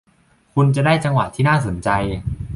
คุณจะได้จังหวะที่น่าสนใจ